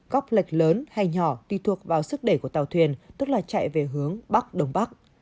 cóc lệch lớn hay nhỏ tùy thuộc vào sức để của tàu thuyền tức là chạy về hướng bắc đông bắc